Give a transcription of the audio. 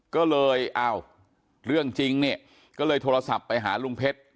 ก็เลยอ้าวเรื่องจริงเนี่ยก็เลยโทรศัพท์ไปหาลุงเพชร